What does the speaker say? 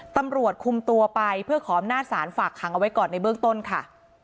ตำรวจคุมตัวไปเพื่อขออำนาจศาลฝากขังเอาไว้ก่อนในเบื้องต้นค่ะ